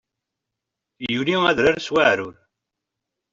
Yuli adrar s weεrur.